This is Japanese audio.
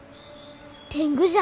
天狗じゃ。